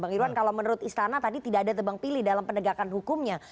bang irwan kalau menurut istana tadi tidak ada tebang pilih dalam penegakan hukumnya